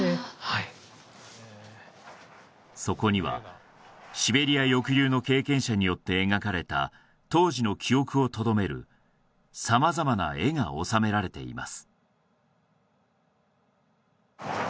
はいそこにはシベリア抑留の経験者によって描かれた当時の記憶をとどめる様々な絵が収められています